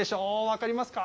分かりますか。